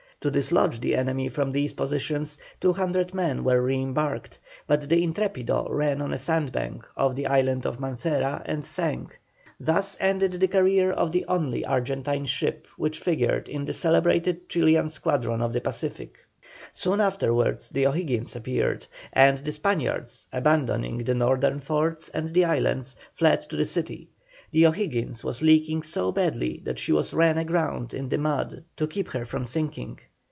To dislodge the enemy from these positions, 200 men were re embarked, but the Intrepido ran on a sandbank off the Island of Mancera and sank; thus ended the career of the only Argentine ship which figured in the celebrated Chilian squadron of the Pacific. Soon afterwards the O'Higgins appeared, and the Spaniards, abandoning the northern forts and the islands, fled to the city. The O'Higgins was leaking so badly that she was run aground in the mud to keep her from sinking.